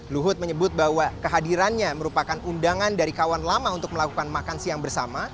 luhut menyebut bahwa kehadirannya merupakan undangan dari kawan lama untuk melakukan makan siang bersama